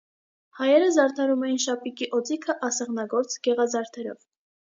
Հայերը զարդարում էին շապիկի օձիքը ասեղնագործ գեղազարդերով։